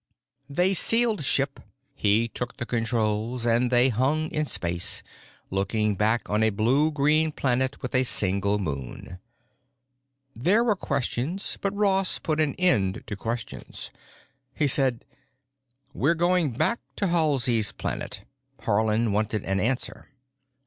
They sealed ship; he took the controls; and they hung in space, looking back on a blue green planet with a single moon. There were questions; but Ross put an end to questions. He said, "We're going back to Halsey's Planet. Haarland wanted an answer.